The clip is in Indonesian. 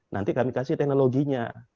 nanti kami kasih teknologinya